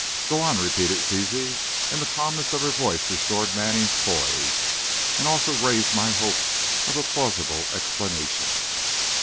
"Go on," repeated Zizi, and the calmness of her voice restored Manning's poise, and also raised my hopes of a plausible explanation.